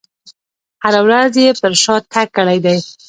هره ورځ یې پر شا تګ کړی دی.